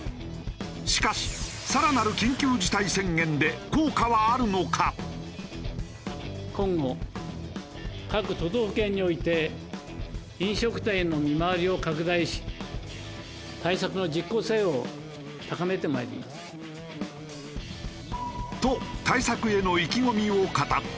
しかしさらなる緊急事態宣言で効果はあるのか？と対策への意気込みを語った。